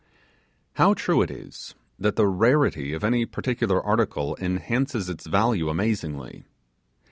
How true it is, that the rarity of any particular article enhances its value amazingly.